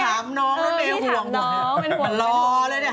รอแล้วเนี่ย